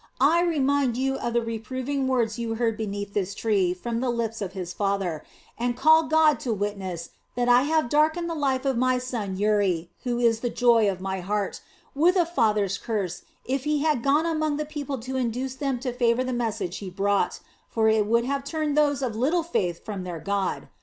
I remind you of the reproving words you heard beneath this tree from the lips of his father, and call God to witness that I would have darkened the life of my son Uri, who is the joy of my heart, with a father's curse if he had gone among the people to induce them to favor the message he brought; for it would have turned those of little faith from their God.